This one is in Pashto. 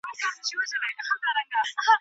لاره روان سي